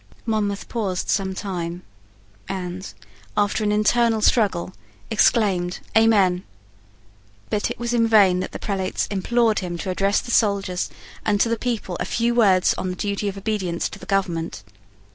Monmouth paused some time, and, after an internal struggle, exclaimed "Amen." But it was in vain that the prelates implored him to address to the soldiers and to the people a few words on the duty of obedience to the government.